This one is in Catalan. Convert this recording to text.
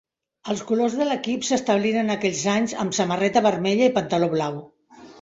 Els colors de l'equip s'establiren aquells anys amb samarreta vermella i pantaló blau.